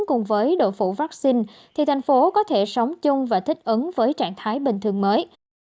cùng với độ phủ vaccine thì thành phố có thể sống chung và thích ứng với trạng thái bình thường mới